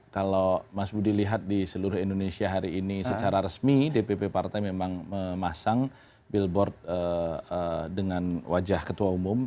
kalau mas budi lihat di seluruh indonesia hari ini secara resmi dpp partai memang memasang billboard dengan wajah ketua umum